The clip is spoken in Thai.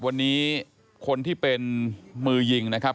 วันนี้คนที่เป็นมือยิงนะครับ